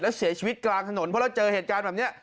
แล้วเสียชีวิตกลางถนนเพราะเราเจอเหตุการณ์แบบนี้